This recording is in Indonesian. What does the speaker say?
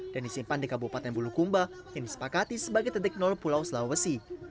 dan disimpan di kabupaten bulukumba yang disepakati sebagai titik nol pulau sulawesi